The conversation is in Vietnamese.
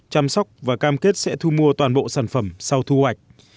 chăm sóc và cam kết sẽ thu mua toàn bộ sản phẩm sau thu hoạch